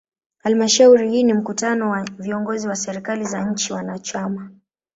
Halmashauri hii ni mkutano wa viongozi wa serikali za nchi wanachama.